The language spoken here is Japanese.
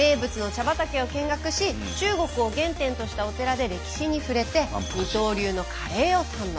畑を見学し中国を原点としたお寺で歴史に触れて二刀流のカレーを堪能。